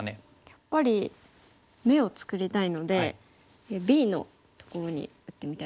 やっぱり眼を作りたいのでＢのところに打ってみたいです。